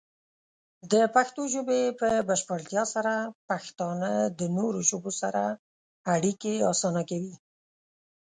د پښتو ژبې په بشپړتیا سره، پښتانه د نورو ژبو سره اړیکې اسانه کوي.